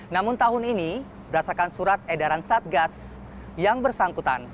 namun tahun ini berdasarkan surat edaran satgas yang bersangkutan